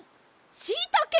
しいたけ！